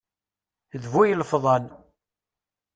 D bu ilefḍan!